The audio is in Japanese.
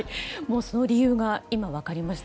その理由が今、分かりました。